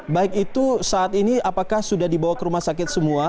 baik itu saat ini apakah sudah dibawa ke rumah sakit semua